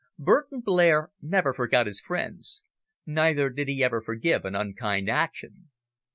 Burton Blair never forgot his friends neither did he ever forgive an unkind action.